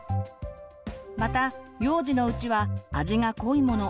また幼児のうちは味が濃いもの